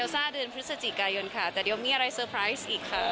ซ่าเดือนพฤศจิกายนค่ะแต่เดี๋ยวมีอะไรเซอร์ไพรส์อีกค่ะ